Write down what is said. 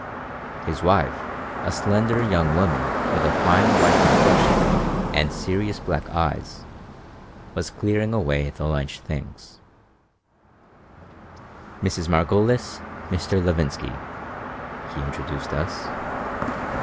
His wife, a slender young woman with a fine white complexion and serious black eyes, was clearing away the lunch things "Mrs. Margolis, Mr. Levinsky," he introduced us.